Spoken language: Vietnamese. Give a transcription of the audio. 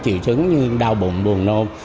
triệu chứng như đau bụng buồn nôn